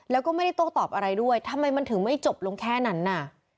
แล้วก็ไม่ได้โต้ตอบอะไรด้วยทำไมมันถึงไม่จบลงแค่นั้นน่ะ